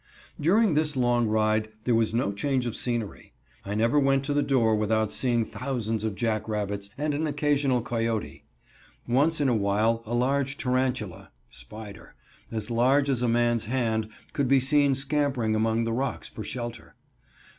During this long ride there was no change of scenery. I never went to the door without seeing thousands of jack rabbits and an occasional coyote. Once in a while a large tarantula (spider) as large as a man's hand could be seen scampering among the rocks for shelter.